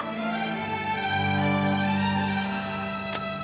kamu gak usah lagi